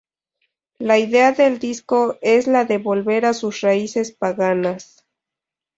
La idea del disco es la de volver a sus raíces paganas.